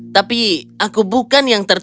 tapi aku bukan yang terbaik